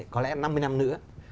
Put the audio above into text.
có lẽ năm mươi năm nữa